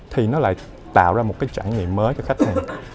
thì nó lại tạo ra một cái trải nghiệm mới cho khách hàng